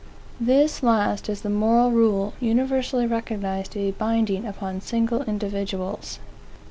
This last is the moral rule universally recognized to be binding upon single individuals.